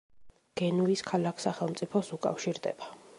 გენუის ქალაქ-სახელმწიფოს უკავშირდება.